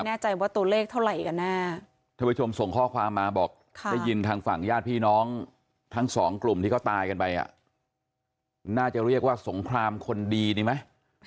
ไม่แน่ใจว่าตัวเลขเท่าไหร่กันแน่